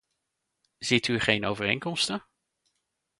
Ziet u geen overeenkomsten?